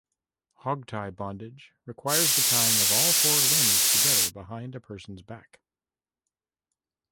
Hogtie bondage requires the tying of all four limbs together behind a person's back.